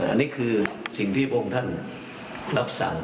อันนี้คือสิ่งที่พระองค์ท่านรับสั่ง